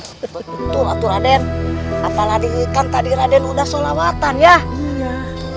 betul raden apalagi kan tadi raden sudah sholawatan ya